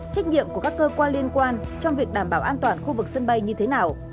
trách nhiệm của các cơ quan liên quan trong việc đảm bảo an toàn khu vực sân bay như thế nào